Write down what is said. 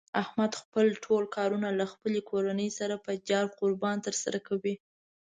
احمد خپل ټول کارونه له خپلې کورنۍ سره په جار قربان تر سره کوي.